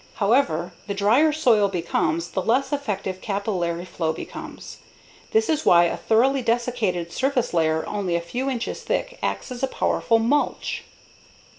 However, the drier soil becomes, the less effective capillary flow becomes. _That is why a thoroughly desiccated surface layer only a few inches thick acts as a powerful mulch.